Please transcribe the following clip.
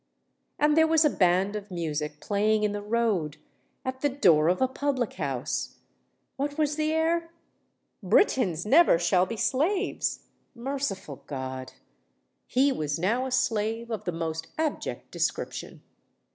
And there was a band of music playing in the road—at the door of a public house! What was the air? "Britons never shall be slaves!" Merciful God!—he was now a slave of the most abject description!